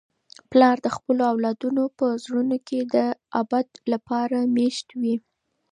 پلار د خپلو اولادونو په زړونو کي د ابد لپاره مېشت وي.